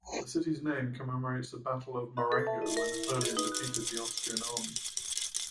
The city's name commemorates the Battle of Marengo, where Napoleon defeated the Austrian army.